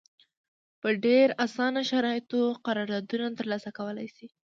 په ډېر اسانه شرایطو قراردادونه ترلاسه کولای شي.